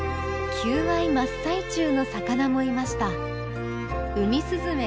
求愛真っ最中の魚もいました。